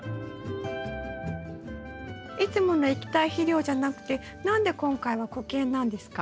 いつもの液体肥料じゃなくて何で今回は固形なんですか？